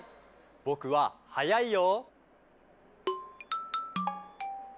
ぼくははやいよ。